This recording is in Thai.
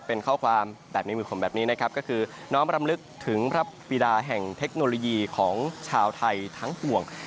เป็นข้อความแบบนี้น้อมลำลึกถึงรับปีดาแห่งเทคโนโลยีของชาวไทยทั้งปวง